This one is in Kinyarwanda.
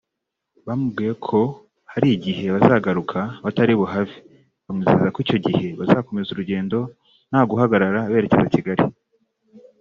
Bamubwiye ko Hari igihe bazagaruka batari buhave bamwizeza ko icyo gihe bazakomeza urugendo ntaguhagarara berekeza Kigali